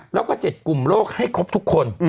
แล้วก็๗กลุ่มโลกให้ครบทุกคน